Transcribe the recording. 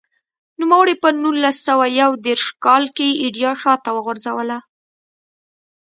نوموړي په نولس سوه یو دېرش کال کې ایډیا شاته وغورځوله.